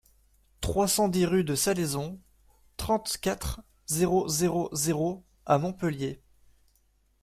trois cent dix rue de Salaison, trente-quatre, zéro zéro zéro à Montpellier